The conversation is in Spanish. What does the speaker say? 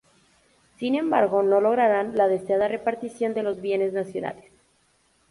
Sin embargo, no lograrán la deseada repartición de los bienes nacionales.